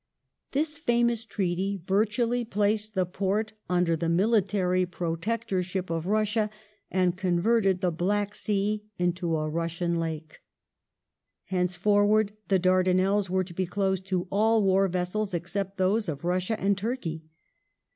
This famous treaty virtually placed 1S33 the Porte under the military protectorship of Russia, and converted the Black Sea into a Russian lake. Henceforward the Dardanelles were to be closed to all war vessels except those of Russia and Turkey.